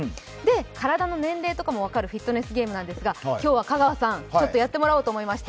体の年齢とかも分かるフィットネスゲームなんですが、今日は香川さんにやってもらおうと思いまして。